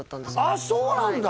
あっそうなんだ